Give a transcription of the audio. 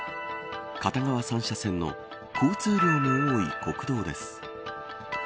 片側３車線の交通量の多い国道です。